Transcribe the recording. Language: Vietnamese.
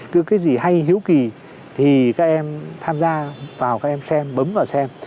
cứ cái gì hay hiếu kì thì các em tham gia vào các em xem bấm vào xem